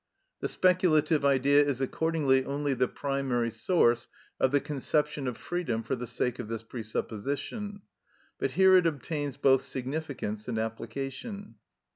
The speculative Idea is accordingly only the primary source of the conception of freedom for the sake of this presupposition, but here it obtains both significance and application.